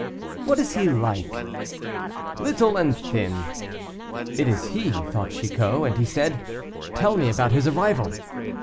"What is he like?" "Little and thin." "It is he," thought Chicot; and he said, "Tell me about his arrival."